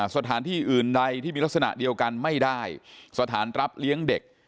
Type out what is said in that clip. สถานที่อื่นใดที่มีลักษณะเดียวกันไม่ได้สถานรับเลี้ยงเด็ก